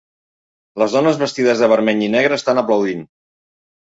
Les dones vestides de vermell i negre estan aplaudint.